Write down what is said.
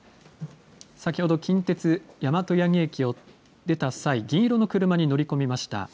先ほど、近鉄大和八木駅を出た際、銀色の車に乗り込みました。